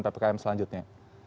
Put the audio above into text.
yang ppkm selanjutnya